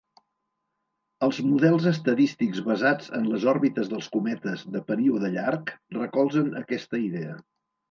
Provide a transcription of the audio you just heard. Els models estadístics basats en les òrbites dels cometes de període llarg recolzen aquesta idea.